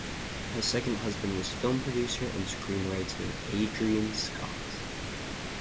Her second husband was film producer and screenwriter Adrian Scott.